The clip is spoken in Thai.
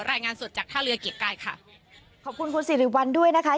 รายงานสดจากท่าเรือเกียรติกายค่ะขอบคุณคุณสิริวัลด้วยนะคะ